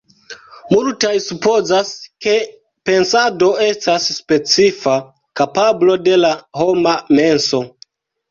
Multaj supozas, ke pensado estas specifa kapablo de la homa menso.